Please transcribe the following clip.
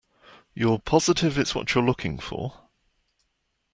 You're positive it's what you're looking for?